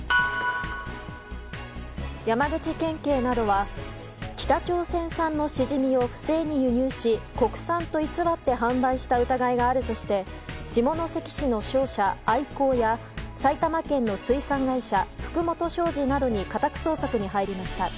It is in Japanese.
山口県警などは北朝鮮産のシジミを不正に輸入し国産と偽って販売した疑いがあるとして下関市の商社アイコーや埼玉県の水産会社福元商事などに家宅捜索に入りました。